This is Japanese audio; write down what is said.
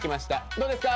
どうですか？